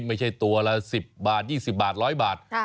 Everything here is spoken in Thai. ไม่ใช่ตัวละ๑๐บาท๒๐บาท๑๐๐บาท